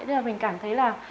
thế là mình cảm thấy là